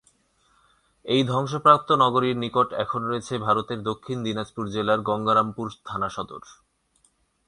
এই ধ্বংসপ্রাপ্ত নগরীর নিকট এখন রয়েছে ভারতের দক্ষিণ দিনাজপুর জেলার গঙ্গারামপুর থানা সদর।